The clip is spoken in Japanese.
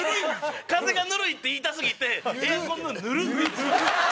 「風がぬるい」って言いたすぎて「エアコンのぬる」って。